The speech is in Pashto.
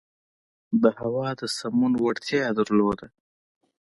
د هوا د سمون وړتیا یې درلوده.